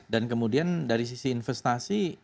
dan kemudian dari sisi investasi